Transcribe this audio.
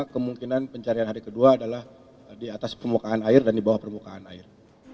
kemungkinan pencarian hari kedua adalah di atas permukaan air dan di bawah permukaan air